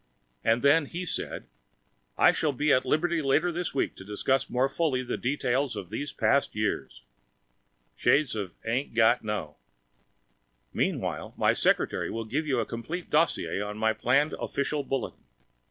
And then He said it! "I shall be at liberty later this week to discuss more fully the details of these past years." (Shades of "ain't got no!") "Meanwhile, my secretary will give you a complete dossier on my planned Official Bulletin."